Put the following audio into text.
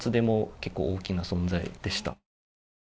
結構大きな存在でした。